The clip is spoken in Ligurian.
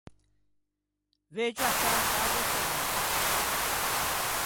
Veuggio acciantâ de fummâ.